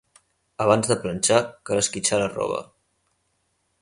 Abans de planxar, cal esquitxar la roba.